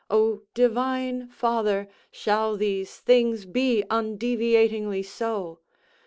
O Divine Father!—shall these things be undeviatingly so?